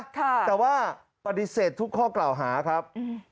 แต่ว่าปฏิเสธทุกข้อกล่าวหาครับ